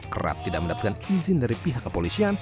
kerap tidak mendapatkan izin dari pihak kepolisian